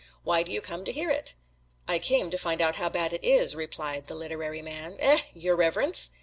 Why do you come to hear it?" "I came to find out how bad it is," replied the literary man. "Eh! your reverence?"